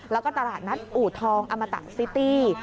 แล้วก็ตลาดนัดอู่ทองอมตะซิตี้